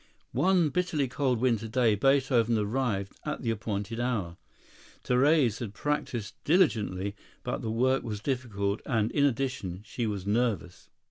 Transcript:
One bitterly cold winter day Beethoven arrived at the appointed hour. Therese had practised diligently, but the work was difficult and, in addition, she was nervous.